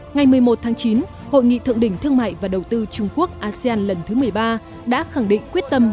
ngày một mươi một tháng chín hội nghị thượng đỉnh thương mại và đầu tư trung quốc asean lần thứ một mươi ba đã khẳng định quyết tâm